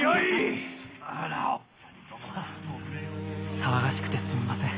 騒がしくてすみません。